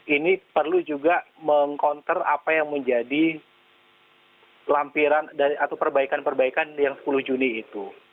ini perlu juga meng counter apa yang menjadi lampiran atau perbaikan perbaikan yang sepuluh juni itu